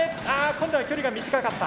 今度は距離が短かった。